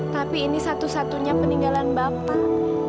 tapi ini satu satunya peninggalan bapak